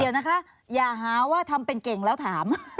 เดี๋ยวนะคะอย่าหาว่าทำเป็นเก่งแล้วถาม